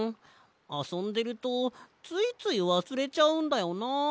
あそんでるとついついわすれちゃうんだよな。